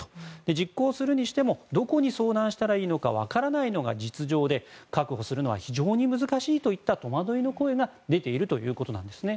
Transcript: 実行するにしてもどこに相談したらいいのかわからないのが実情で確保するのは非常に難しいといった戸惑いの声が出ているということなんですね。